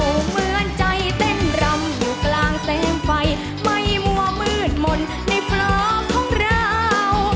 เหมือนใจเต้นรำอยู่กลางเต็มไฟไม่มั่วมืดมนต์ในปลอมของเรา